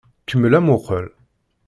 Kemmel amuqqel!